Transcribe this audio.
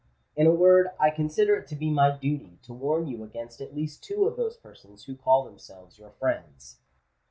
In a word, I consider it to be my duty to warn you against at least two of those persons who call themselves your friends."